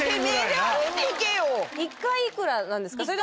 １回いくらなんですか？